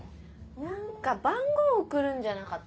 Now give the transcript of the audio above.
何か番号送るんじゃなかった？